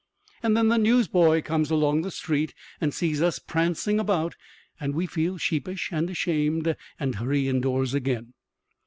And then the newsboy comes along the street and sees us prancing about and we feel sheepish and ashamed and hurry indoors again.